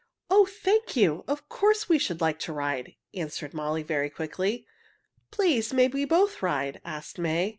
"Oh, thank you! Of course we should like to ride," answered Molly very quickly. "Please may we both ride?" asked May.